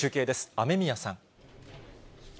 雨宮さん。